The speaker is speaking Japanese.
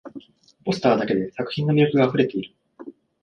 ポスターだけで作品の魅力があふれている